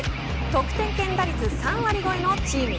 得点圏打率３割越えのチーム